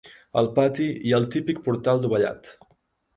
Al pati hi ha el típic portal dovellat.